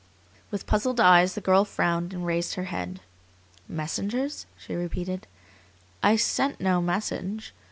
With puzzled eyes the girl frowned and raised her head. "Messengers?" she repeated. "I sent no message.